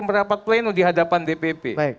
merapat pleno di hadapan dpp